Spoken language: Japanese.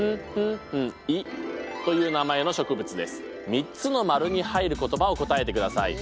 ３つの丸に入る言葉を答えてください。